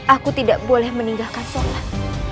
aku tidak boleh meninggalkan sholat